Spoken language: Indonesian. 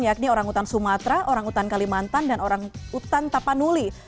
yakni orang hutan sumatera orang hutan kalimantan dan orang hutan tapanuli